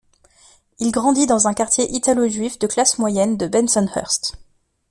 Il grandit dans un quartier italo-juif de classe moyenne de Bensonhurst.